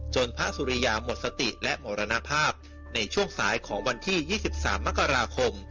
จนพระสุริยาหมดสติและหมอรณภาพในช่วงสายของวันที่ยี่สิบสามมกราคม